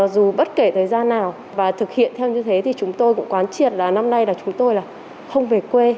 dù bất kể thời gian nào và thực hiện theo như thế thì chúng tôi cũng quán triệt là năm nay là chúng tôi là không về quê